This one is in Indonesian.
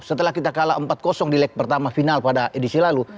setelah kita kalah empat di leg pertama final pada edisi lalu